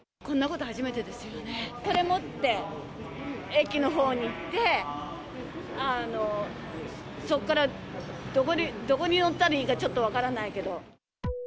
これ持って駅のほうに行って、そこからどこに乗ったらいいか、ちょっと分からないけど。